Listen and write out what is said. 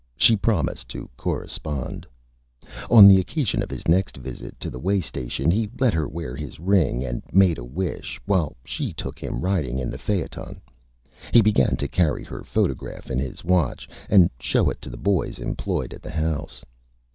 She promised to Correspond. On the occasion of his next Visit to the Way Station, he let her wear his Ring, and made a Wish, while she took him riding in the Phaeton. He began to carry her Photograph in his Watch, and show it to the Boys employed at the House.